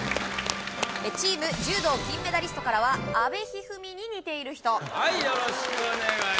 チーム柔道金メダリストからは阿部一二三に似ている人はいよろしくお願いします